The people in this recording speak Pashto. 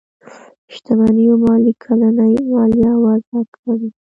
شتمنيو ماليې کلنۍ ماليه وضعه کړي.